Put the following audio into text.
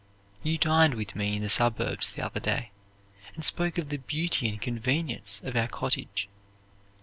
You dined with me in the suburbs the other day, and spoke of the beauty and convenience of our cottage.